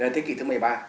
thế kỷ thứ một mươi ba